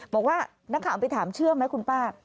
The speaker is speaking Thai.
บอกว่านักข่าวไปถามเชื่อไหมคุณป้า